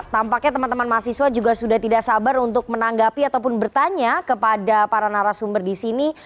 tampaknya teman teman mahasiswa juga sudah tidak sabar untuk menanggapi ataupun bertanya kepada para narasumber di sini